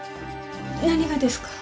何がですか？